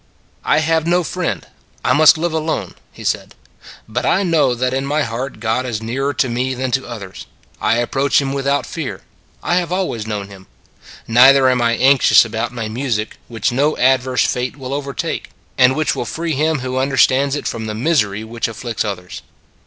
I have no friend; I must live alone [he said]. But I know that in my heart God is nearer to me than to others. I approach him without fear; I have always known him. Neither am I anx ious about my music, which no adverse fate will overtake, and which will free him who under stands it from the misery which afflicts others.